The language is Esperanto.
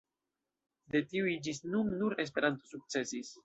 De tiuj ĝis nun nur Esperanto sukcesis.